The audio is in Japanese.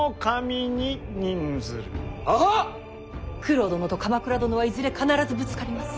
九郎殿と鎌倉殿はいずれ必ずぶつかります。